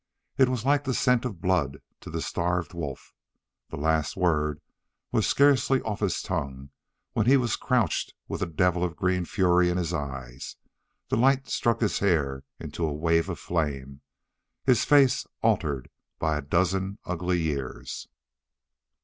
It was like the scent of blood to the starved wolf. The last word was scarcely off his tongue when he was crouched with a devil of green fury in his eyes the light struck his hair into a wave of flame his face altered by a dozen ugly years.